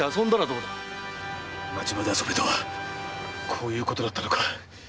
「町場で遊べ」とはこういうことだったのか！